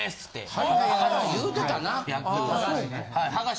はい言うてたな。